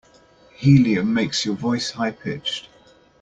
Helium makes your voice high pitched.